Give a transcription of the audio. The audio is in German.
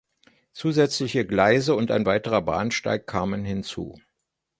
Zusätzliche Gleise und ein weiterer Bahnsteig kamen hinzu.